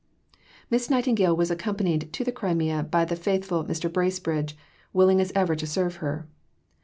Miss Nightingale was accompanied to the Crimea by the faithful Mr. Bracebridge, willing as ever to serve her.